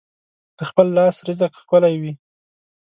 د خپل لاس رزق ښکلی وي.